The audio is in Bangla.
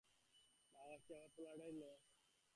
না মাসি, আমার প্যারাডাইস লস্ট।